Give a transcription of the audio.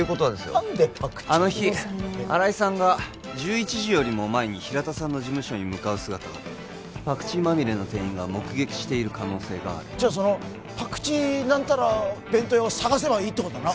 うるさいなああの日新井さんが１１時よりも前に平田さんの事務所に向かう姿をパクチーマミレの店員が目撃している可能性があるそのパクチー何たら弁当屋を探せばいいってことだな？